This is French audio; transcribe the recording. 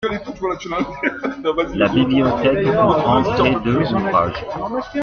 La bibliothèque comprend près de ouvrages.